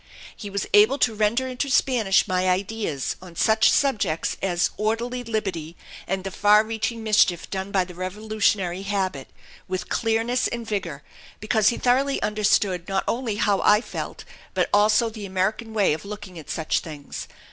He was able to render into Spanish my ideas on such subjects as orderly liberty and the far reaching mischief done by the revolutionary habit with clearness and vigor, because he thoroughly understood not only how I felt but also the American way of looking at such things.